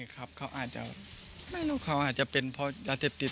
เขาอาจจะไม่รู้เขาอาจจะเป็นเพราะยาเสพติด